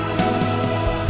bukan k firewall